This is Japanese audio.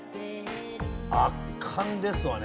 圧巻ですよね！